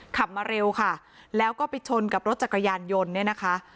ขับมาเร็วค่ะแล้วก็ไปชนกับรถจักรยานยนต์เนี่ยนะคะ